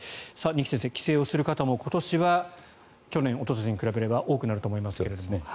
二木先生、帰省をする方も今年は去年、おととしに比べれば多くなると思いますが。